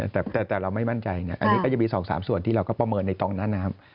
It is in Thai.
แต่เราไม่มั่นใจอันนี้ก็จะมีสองสามส่วนที่เราก็ประเมินในตรงนั้น